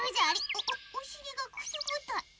おおおしりがくすぐったい。